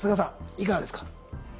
いかがですか？